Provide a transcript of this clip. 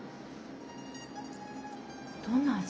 どんな味？